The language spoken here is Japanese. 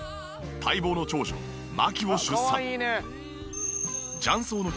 待望の長女麻貴を出産。